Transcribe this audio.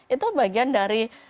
itu bagian dari